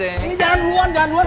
ini jangguan jangguan